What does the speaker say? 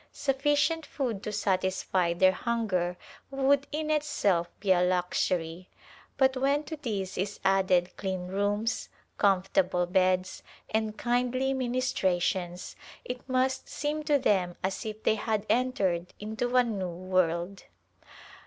Sufficient food to satisfy their hunger would in itself be a luxury, but when to this is added clean rooms, comfortable beds, and kindly ministrations it must seem to them as if they had entered into a new world.